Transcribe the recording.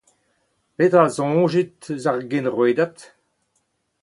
Petra a soñjit eus ar Genrouedad ?